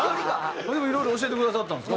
でもいろいろ教えてくださったんですか？